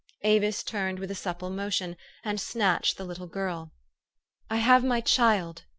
Avis turned with a supple motion, and snatched the little girl. " 1 have my child